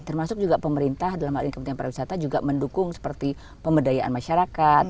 termasuk juga pemerintah dalam hal ini kepentingan para wisata juga mendukung seperti pembedayaan masyarakat